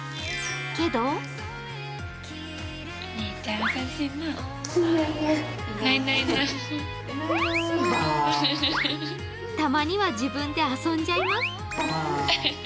けどたまには自分で遊んじゃいます。